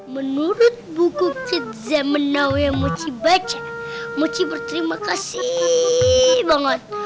menurut buku kit zamenau yang mochi baca mochi berterima kasih banget